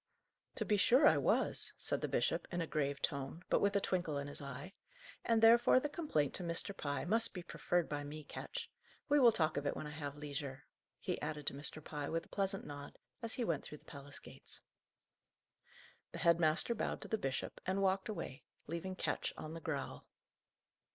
"To be sure I was," said the bishop, in a grave tone, but with a twinkle in his eye; "and therefore the complaint to Mr. Pye must be preferred by me, Ketch. We will talk of it when I have leisure," he added to Mr. Pye, with a pleasant nod, as he went through the palace gates. The head master bowed to the bishop, and walked away, leaving Ketch on the growl.